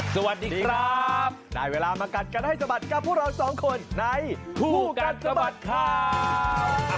สวัสดีครับได้เวลามากัดกันให้สะบัดกับพวกเราสองคนในคู่กัดสะบัดข่าว